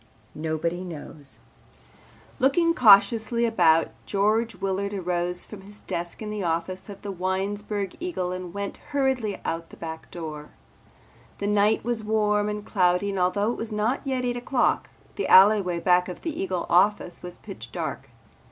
NOBODY KNOWS Looking cautiously about, George Willard arose from his desk in the office of the Winesburg Eagle and went hurriedly out at the back door. The night was warm and cloudy and although it was not yet eight o'clock, the alleyway back of the Eagle office was pitch dark.